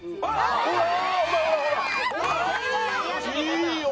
いいよ！